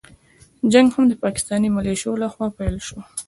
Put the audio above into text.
جنګ هم د پاکستاني مليشو له خوا پيل شو.